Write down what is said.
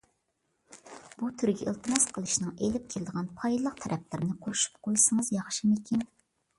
بۇ تۈرگە ئىلتىماس قىلىشنىڭ ئېلىپ كېلىدىغان پايدىلىق تەرەپلىرىنى قوشۇپ قويسىڭىز ياخشىمىكىن.